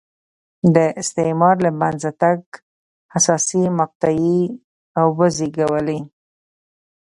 د استعمار له منځه تګ حساسې مقطعې وزېږولې.